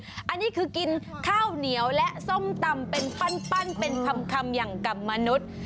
อันนี้คือกินข้าวเหนียวและส้มตำเป็นปั้นเป็นคำอย่างกับมนุษย์